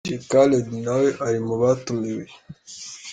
Dj Khaled nawe ari mu batumiwe.